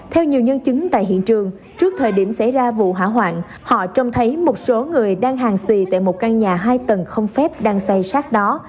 theo nhiều nhân chứng tại hiện trường trước thời điểm xảy ra vụ hỏa hoạn họ trông thấy một số người đang hàng xì tại một căn nhà hai tầng không phép đang say sát đó